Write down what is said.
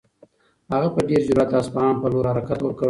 هغه په ډېر جرئت د اصفهان په لور حرکت وکړ.